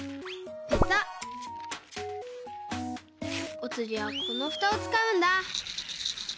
おつぎはこのふたをつかうんだ！